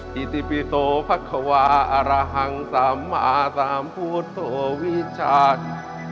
ทิสิปิโสภัคควาอรหังสัมมาสัมพุทธวิชาติ